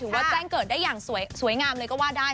ว่าแจ้งเกิดได้อย่างสวยงามเลยก็ว่าได้